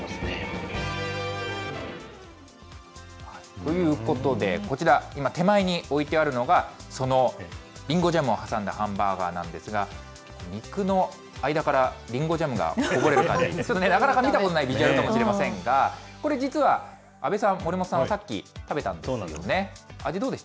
ということで、こちら、今、手前に置いてあるのが、そのリンゴジャムを挟んだハンバーガーなんですが、肉の間から、リンゴジャムがこぼれてる、なかなか見たことないヴィジュアルかもしれませんが、これ、実は阿部さん、守本さんはさっき食べたんですよね。